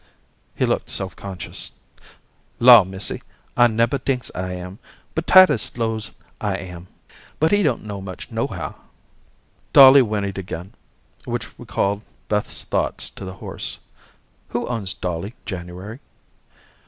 He looked self conscious. "Law, missy, I nebber tinks I am, but Titus 'lows I am, but he don't know much nohow." Dolly whinnied again, which recalled Beth's thoughts to the horse. "Who owns Dolly, January?"